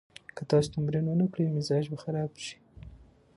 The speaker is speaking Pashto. که تاسو تمرین ونه کړئ، مزاج به خراب شي.